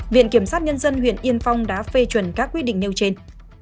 viện kiểm sát nhân dân huyện yên phong đã phê chuẩn các quyết định nêu trên